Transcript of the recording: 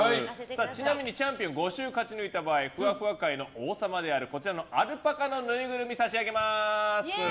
ちなみにチャンピオン５週勝ち抜いた場合ふわふわ界の王様であるアルパカのぬいぐるみを差し上げます！